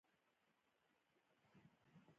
په نرسري کي د پستې د تخم روزنه: